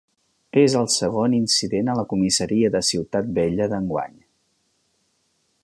És el segon incident a la comissaria de Ciutat Vella d'enguany